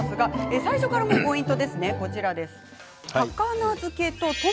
最初からポイントです。